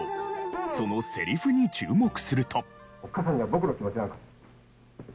そのセリフに注目すると。